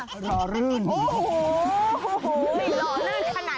คุณลุมเป็นอะไรว่ะ